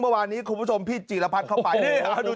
เมื่อวานนี้คุณผู้ชมพี่จีรพัฒน์เข้าไปนี่